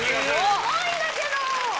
すごいんだけど！